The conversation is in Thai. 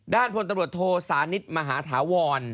ด้านพลตำรวจโทสานิทมหาฐาวรรณ์